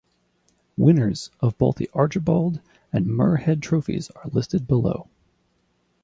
Winners of both the Archibald and Muirhead trophies are listed below.